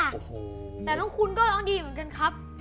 โอ้โหแต่น้องคุณก็ร้องดีเหมือนกันครับ